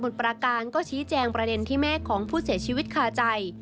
ประการก็ชี้แจงประเด็นที่แม่ของผู้เสียชีวิตคาใจ